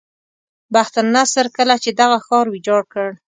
بخت نصر کله چې دغه ښار ویجاړ کړ.